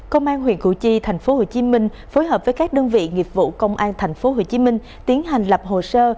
công an huyện củ chi tp hcm phối hợp với các đơn vị nghiệp vụ công an tp hcm tiến hành lập hồ sơ